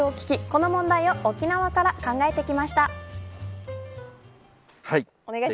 この問題を沖縄から考えてきました。